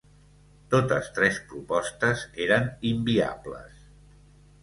Totes tres propostes eren inviables.